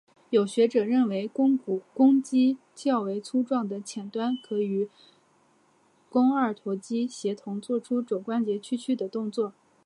有学者认为肱肌较为粗壮的浅端可与与肱二头肌协同作出肘关节屈曲的动作。